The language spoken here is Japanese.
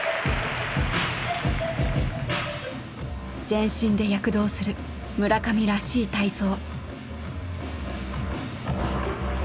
全身で躍動する村上らしい体操。